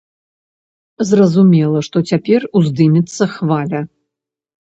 Зразумела, што цяпер уздымецца хваля.